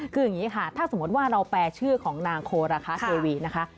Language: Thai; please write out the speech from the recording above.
คืออย่างนี้ค่ะถ้าสมมติว่าเราแปลชื่อของนางโคราคาเทวีนะคะ